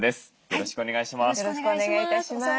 よろしくお願いします。